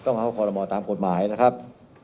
นะครับ